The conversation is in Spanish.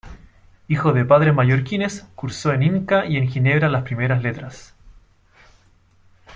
Hijo de padres mallorquines, cursó en Inca y en Ginebra las primeras letras.